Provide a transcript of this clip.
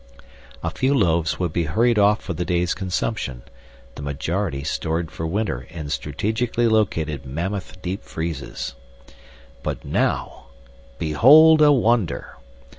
A few loaves would be hurried off for the day's consumption, the majority stored for winter in strategically located mammoth deep freezes. But now, behold a wonder!